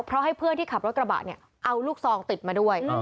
เพราะให้เพื่อนที่ขับรถกระบะเนี่ยเอาลูกซองติดมาด้วย